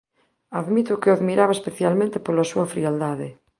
Admito que o admiraba especialmente pola súa frialdade.